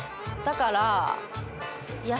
だから。